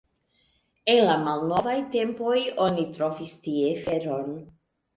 En la malnovaj tempoj oni trovis tie feron.